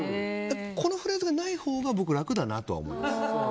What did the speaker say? このフレーズがないほうが僕、楽だなとは思います。